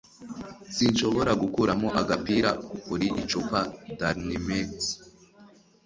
Sinshobora gukuramo agapira kuri icupa. (darinmex)